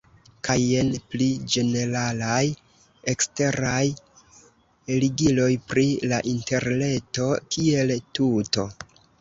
Kaj jen pli ĝeneralaj eksteraj ligiloj pri la interreto kiel tuto.